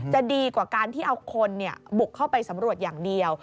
จะดีกว่าการที่เอาคนบุกเข้าไปสำรวจอย่างเดียว